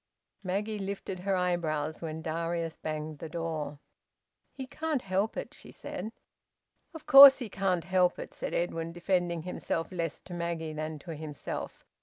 Maggie lifted her eyebrows when Darius banged the door. "He can't help it," she said. "Of course he can't help it," said Edwin, defending himself, less to Maggie than to himself.